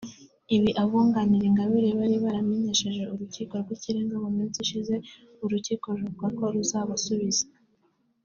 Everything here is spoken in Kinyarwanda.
Ibi abunganira Ingabire bari barabimenyesheje Urukiko rw’Ikirenga mu minsi ishize urukiko ruvuga ko ruzabasubiza